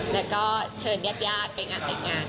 แล้วก็เชิญญาติไปงานแต่งงาน